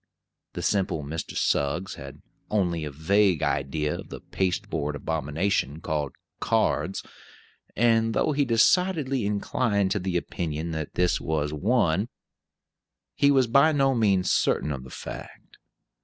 The simple Mr. Suggs had only a vague idea of the pasteboard abomination called cards; and though he decidedly inclined to the opinion that this was one, he was by no means certain of the fact.